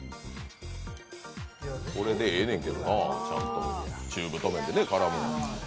これでええねんけどなあ、ちゃんと中太麺で絡んで。